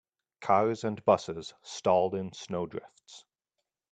Cars and busses stalled in snow drifts.